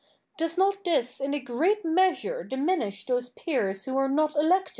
Does not this in a great measure diminish those peers who are not elected?